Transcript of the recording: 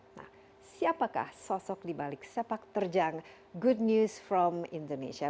nah siapakah sosok dibalik sepak terjang good news from indonesia